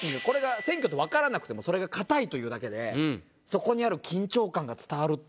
これが選挙と分からなくてもそれが硬いというだけでそこにある。